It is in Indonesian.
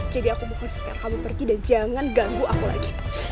jadi aku mohon sekalian kamu pergi dan jangan ganggu aku lagi